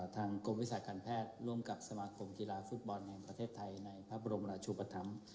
ทางกรมวิทยาศาสตร์การแพทย์ร่วมกับสมาคมกีฬาฟุตบอลแห่งประเทศไทยในพระบรมราชุปธรรม